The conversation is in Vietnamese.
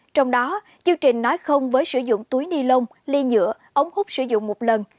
trong đó chương trình nói không với sử dụng túi ni lông ly nhựa ống hút sử dụng một lần